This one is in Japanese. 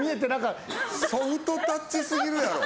ソフトタッチ過ぎるやろ。